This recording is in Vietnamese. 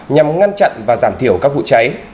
nhằm ngăn chặn và giảm thiểu các vụ cháy